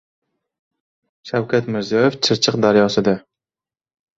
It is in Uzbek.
Shavkat Mirziyoyev Chirchiq daryosida